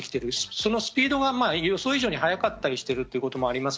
そのスピードが予想以上に早かったりしているということもあります。